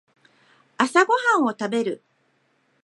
朝ごはんを食べる